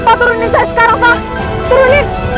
pak turunin saya sekarang pak turunin